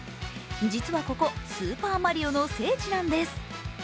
実はここ、「スーパーマリオ」の聖地なんです。